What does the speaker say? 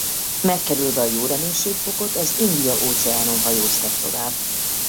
Megkerülve a Jóreménység-fokot az India óceánon hajóztak tovább.